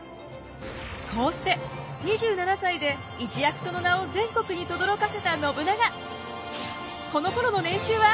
こうして２７歳で一躍その名を全国にとどろかせた信長。